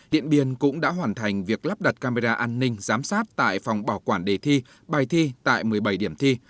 điện biên cũng đã hoàn thành việc lắp đặt camera an ninh giám sát tại phòng bảo quản đề thi bài thi tại một mươi bảy điểm thi